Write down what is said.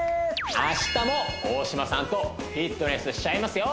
明日も大島さんとフィットネスしちゃいますよ